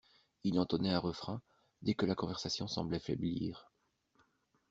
Il entonnait un refrain, dès que la conversation semblait faiblir.